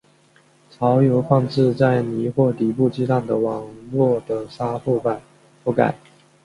巢由放置在泥或底部鸡蛋的网络的沙覆盖。